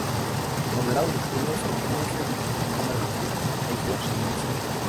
Ordenado y meticuloso, logró ser reconocido como una de las joyas del semillero Xeneize.